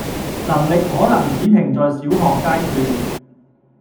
能力可能只停在小學階段